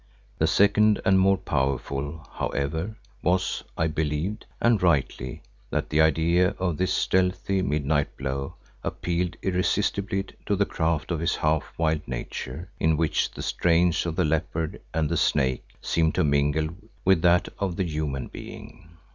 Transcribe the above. The second and more powerful, however, was, I believed, and rightly, that the idea of this stealthy, midnight blow appealed irresistibly to the craft of his half wild nature in which the strains of the leopard and the snake seemed to mingle with that of the human being.